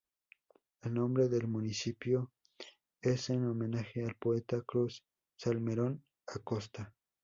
El nombre del municipio es en homenaje al poeta Cruz Salmerón Acosta.